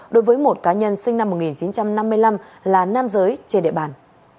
đối với một cá nhân sinh năm một nghìn chín trăm năm mươi năm là nam giới trên địa bàn